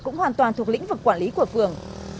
cũng hoàn toàn thuộc lĩnh vực quản lý của phường